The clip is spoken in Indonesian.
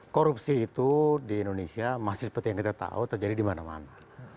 korupsi itu di indonesia masih seperti yang kita tahu terjadi di mana mana